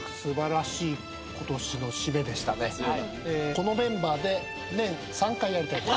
このメンバーで年３回やりたいです。